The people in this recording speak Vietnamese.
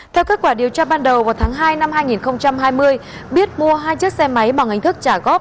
theo kết quả điều tra ban đầu vào tháng hai năm hai nghìn hai mươi biết mua hai chiếc xe máy bằng hình thức trả góp